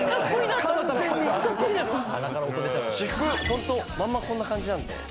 私服ホントまんまこんな感じなので。